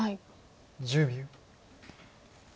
１０秒。